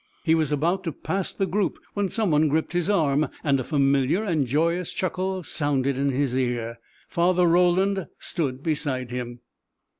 He was about to pass the group when some one gripped his arm, and a familiar and joyous chuckle sounded in his ear. Father Roland stood beside him.